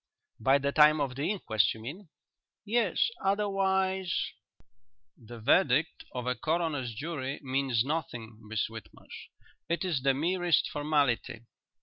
"By the time of the inquest, you mean?" "Yes. Otherwise " "The verdict of a coroner's jury means nothing, Miss Whitmarsh. It is the merest formality."